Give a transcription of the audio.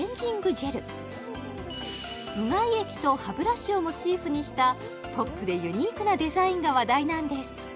ジェルうがい液と歯ブラシをモチーフにしたポップでユニークなデザインが話題なんです